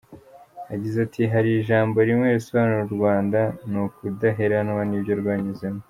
Yagize ati “Hari ijambo rimwe risobanura u Rwanda, ni ukudaheranwa n’ibyo rwanyuzemo.